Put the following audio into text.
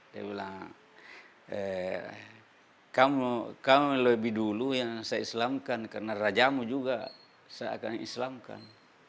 dia bilang kamu lebih dulu yang saya islamkan karena rajamu juga saya akan islamkan